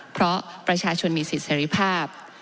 เพราะประชาชนมีสิทธิเสรีภาพ